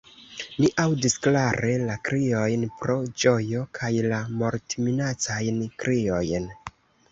Ni aŭdis klare la kriojn pro ĝojo kaj la mortminacajn kriojn.